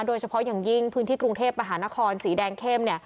โดยเฉพาะอย่างยิ่งพื้นที่กรุงเทพมหานครสีแดงเข้มเนี่ย